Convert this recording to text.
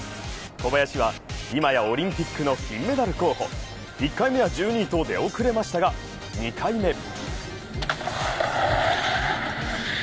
小林は今やオリンピックの金メダル候補１回目は１２位と出遅れましたが２回目。